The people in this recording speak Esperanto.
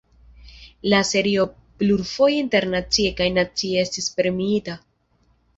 La serio plurfoje internacie kaj nacie estis premiita.